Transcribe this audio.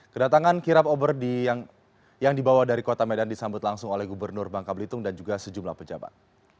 kedatangan kirap obor yang dibawa dari kota medan disambut langsung oleh gubernur bangka belitung dan juga sejumlah pejabat